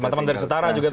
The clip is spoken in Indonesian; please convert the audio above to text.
tidak ada yang kita lakukan